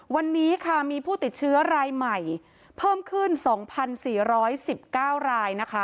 วันนี้ค่ะมีผู้ติดเชื้อรายใหม่เพิ่มขึ้น๒๔๑๙รายนะคะ